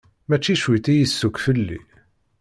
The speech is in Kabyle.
Mačči cwiṭ i yessukk fell-i.